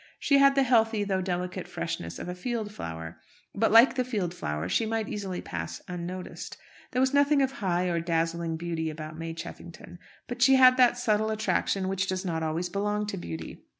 She had the healthy, though delicate, freshness of a field flower; but, like the field flower, she might easily pass unnoticed. There was nothing of high or dazzling beauty about May Cheffington, but she had that subtle attraction which does not always belong to beauty.